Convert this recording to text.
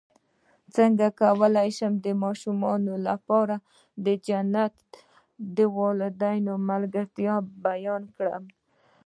څنګه کولی شم د ماشومانو لپاره د جنت د والدینو ملګرتیا بیان کړم